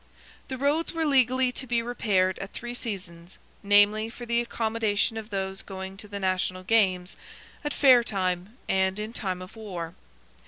The roads were legally to be repaired at three seasons, namely, for the accommodation of those going to the national games, at fair time, and in time of war.